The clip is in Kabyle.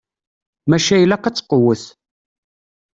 Maca ilaq ad tqewwet.